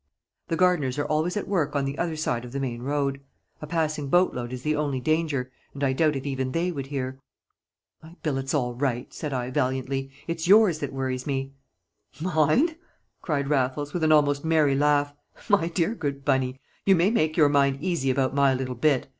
The gardeners are always at work on the other side of the main road. A passing boatload is the only danger, and I doubt if even they would hear." "My billet's all right," said I, valiantly. "It's yours that worries me." "Mine!" cried Raffles, with an almost merry laugh. "My dear, good Bunny, you may make your mind easy about my little bit!